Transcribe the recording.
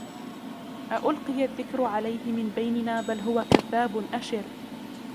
أَؤُلْقِيَ الذِّكْرُ عَلَيْهِ مِن بَيْنِنَا بَلْ هُوَ كَذَّابٌ أَشِرٌ